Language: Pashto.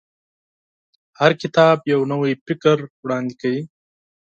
هر کتاب یو نوی فکر وړاندې کوي.